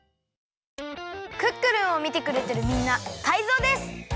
「クックルン」をみてくれてるみんなタイゾウです！